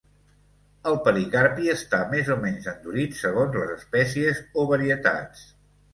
El pericarpi està més o menys endurit segons les espècies o varietats.